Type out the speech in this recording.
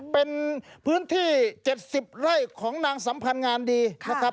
เป็นพื้นที่๗๐ไร่ของนางสัมพันธ์งานดีนะครับ